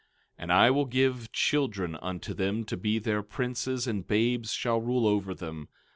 13:4 And I will give children unto them to be their princes, and babes shall rule over them.